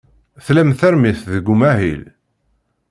Tlam tarmit deg umahil?